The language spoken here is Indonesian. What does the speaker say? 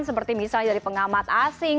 seperti misalnya dari pengamat asing